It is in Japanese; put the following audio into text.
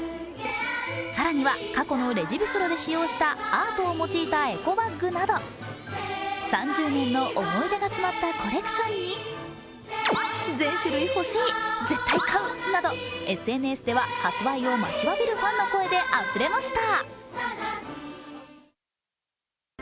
更には過去のレジ袋で使用したアートを用いたエコバッグなど３０年の思い出が詰まったコレクションにとＳＮＳでは発売を待ちわびるファンの声であふれました。